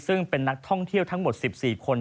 ซึ่งเป็นนักท่องเที่ยวทั้งหมด๑๔คน